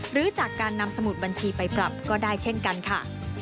หรือจากการนำสมุดบัญชีไปปรับก็ได้เช่นกันค่ะ